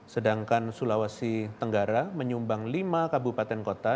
sedangkan sulawesi tenggara menyumbang lima kabupaten kota